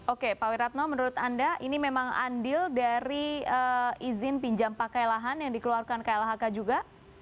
oke pak wiratno menurut anda ini memang andil dari izin pinjam pakai lahan yang dikeluarkan klhk juga